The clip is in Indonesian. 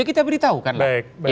kita beritahukan lah